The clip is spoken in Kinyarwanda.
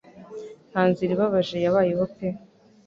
Nta nzira ibabaje yabayeho pe